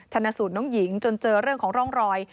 ชนะสูตรน้องหญิงจนเจอเรื่องของร่องรอย